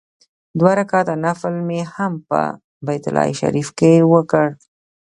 دوه رکعته نفل مې هم په بیت الله شریفه کې وکړ.